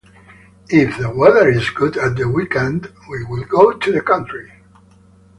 If the weather is good at the weekend, we will go to the country.